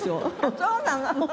そうなの？